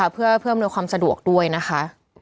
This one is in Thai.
เพิ่มโดยความสะดวกด้วยนะคะ